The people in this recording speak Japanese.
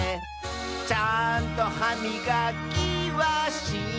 「ちゃんとはみがきはしたかな」